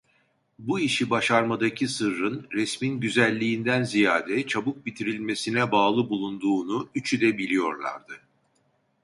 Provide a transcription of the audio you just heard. Bu işi başarmadaki sırrın, resmin güzelliğinden ziyade çabuk bitirilmesine bağlı bulunduğunu üçü de biliyorlardı.